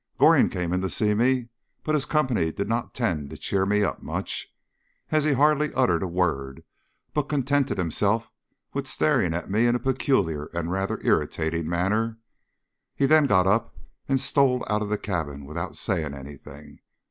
Goring came in to see me, but his company did not tend to cheer me up much, as he hardly uttered a word, but contented himself with staring at me in a peculiar and rather irritating manner. He then got up and stole out of the cabin without saying anything.